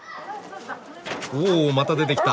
おおまた出てきた！